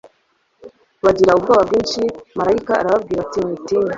bagira ubwoba bwinshi. Marayika arababwira ati “Mwitinya,